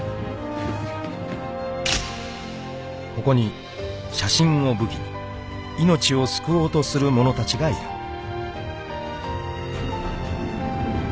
［ここに写真を武器に命を救おうとする者たちがいる］